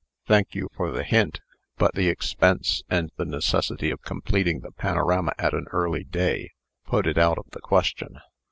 "Thank you for the hint; but the expense, and the necessity of completing the panorama at an early day, put it out of the question.